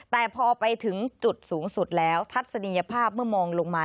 แต่พอไปถึงจุดสูงสุดแล้วทัศนียภาพเมื่อมองลงมา